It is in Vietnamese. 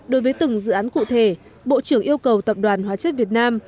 đối với từng dự án cụ thể bộ trưởng yêu cầu tập đoàn hóa chất việt nam